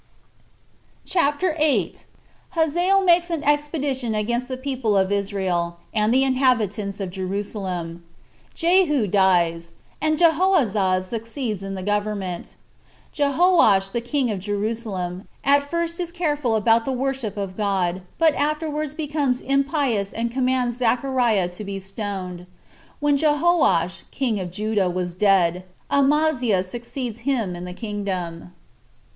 CHAPTER 8. Hazael Makes An Expedition Against The People Of Israel And The Inhabitants Of Jerusalem. Jehu Dies, And Jehoahaz Succeeds In The Government. Jehoash The King Of Jerusalem At First Is Careful About The Worship Of God But Afterwards Becomes Impious And Commands Zechariah To Be Stoned. When Jehoash [King Of Judah] Was Dead, Amaziah Succeeds Him In The Kingdom.